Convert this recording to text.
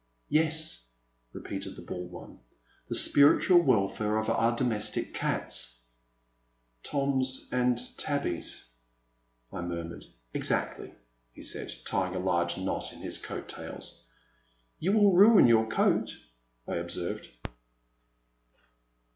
Yes, repeated the bald one, the spiritual welfare of our domestic cats 'Toms and Tabbies ?I murmured. *' Exactly,*' he said, tying a large knot in his coat tails. You will ruin your coat,'* I observed.